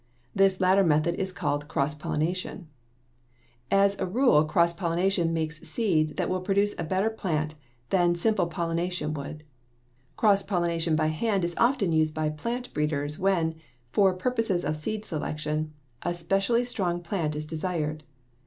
This latter method is called cross pollination. As a rule cross pollination makes seed that will produce a better plant than simple pollination would. Cross pollination by hand is often used by plant breeders when, for purposes of seed selection, a specially strong plant is desired.